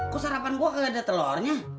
kok sarapan gue gak ada telurnya